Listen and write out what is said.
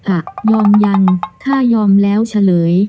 อ่ะยอมยังถ้ายอมแล้วเฉลย